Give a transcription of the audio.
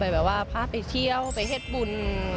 แบบว่าพาไปเที่ยวไปเฮ็ดบุญ